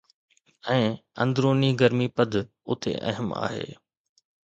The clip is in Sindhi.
۽ اندروني گرمي پد اتي اهم آهي